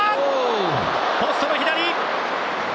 ポストの左！